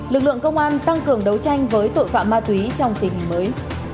lực lượng công an tăng cường đấu tranh với tội phạm ma túy trong tình hình mới